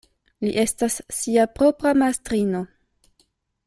Li estas sia propra mastrino.